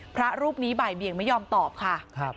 พระรูปนี้บ่ายเบียงไม่ยอมตอบค่ะ